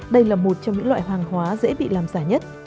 đây là một trong những loại hàng hóa dễ bị làm giả nhất